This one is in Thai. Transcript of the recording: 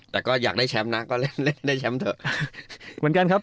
แต่ก็อยากได้แชมป์นะก็เล่นเล่นได้แชมป์เถอะเหมือนกันครับ